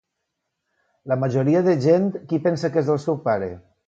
La majoria de gent qui pensa que és el seu pare?